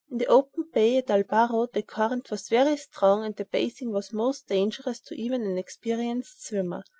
In the open bay at Albaro the current was very strong, and the bathing most dangerous to even an experienced swimmer.